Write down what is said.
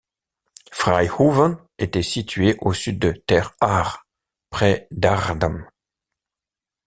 Vrijhoeven était situé au sud de Ter Aar, près d'Aardam.